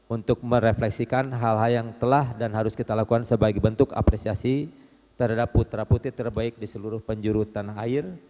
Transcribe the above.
untuk merefleksikan hal hal yang telah dan harus kita lakukan sebagai bentuk apresiasi terhadap putra putri terbaik di seluruh penjuru tanah air